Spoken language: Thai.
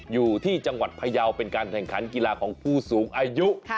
อยู่ที่จังหวัดพยาวเป็นการแข่งขันกีฬาของผู้สูงอายุ